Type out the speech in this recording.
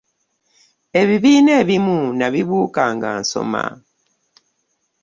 Ebibiina ebimu nabibuuka nga nsoma.